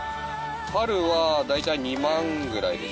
春は大体２万ぐらいですね。